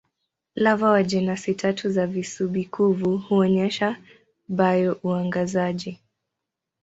Lava wa jenasi tatu za visubi-kuvu huonyesha bio-uangazaji.